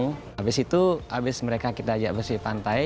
habis itu habis mereka kita ajak bersih pantai